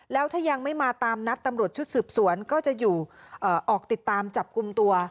แล้วถ้ายังไม่มาตามนัดตำรวจชุดสืบสวนก็จะอยู่ออกติดตามจับกลุ่มตัว